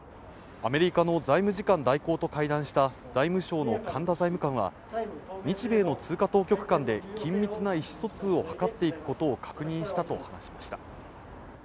アメリカの財務次官代行と会談した財務省の神田財務官は、日米の通貨当局間で緊密な意思疎通を図っていくことを確認したと話しました。